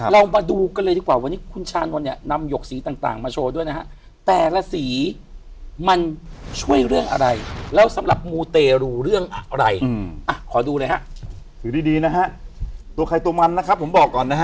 เรามาดูกันเลยดีกว่าวันนี้คุณชานวันนี้นำหยกสีต่างมาโชว์ด้วยนะครับ